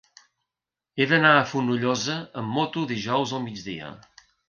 He d'anar a Fonollosa amb moto dijous al migdia.